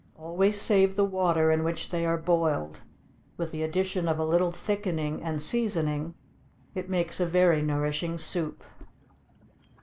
Always save the water in which they are boiled; with the addition of a little thickening and seasoning, it makes a very nourishing soup.